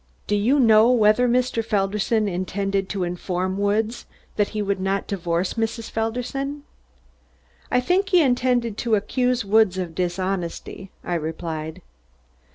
"Do you know whether Mr. Felderson intended to inform Woods that he would not divorce Mrs. Felderson?" "I think he intended to accuse Woods of dishonesty," I replied.